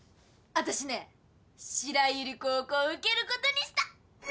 私ね白百合高校受けることにした。